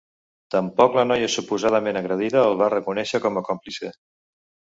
Tampoc la noia suposadament agredida el va reconèixer com a còmplice.